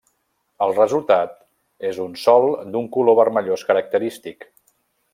El resultat és un sòl d'un color vermellós característic.